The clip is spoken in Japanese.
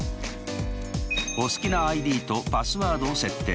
お好きなＩＤとパスワードを設定。